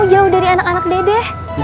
jauh dari anak anak dede